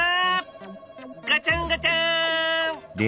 ガチャンガチャン！